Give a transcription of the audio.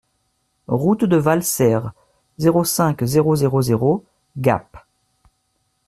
Route de Valserres, zéro cinq, zéro zéro zéro Gap